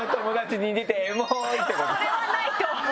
それはないと思う。